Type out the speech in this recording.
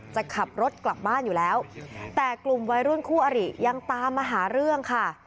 จะขับรถกลับบ้านอยู่แล้วแต่กลุ่มวัยรุ่นคู่อริยังตามมาหาเรื่องค่ะ